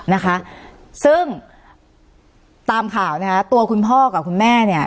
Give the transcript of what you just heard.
นะคะซึ่งตามข่าวนะคะตัวคุณพ่อกับคุณแม่เนี่ย